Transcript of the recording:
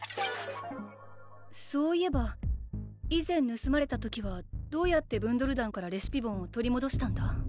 そういえば以前ぬすまれた時はどうやってブンドル団からレシピボンを取りもどしたんだ？